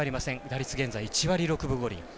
打率現在１割６分５厘。